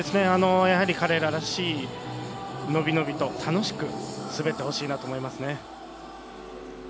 やはり、彼ららしい伸び伸びと楽しく滑ってほしいなと思います。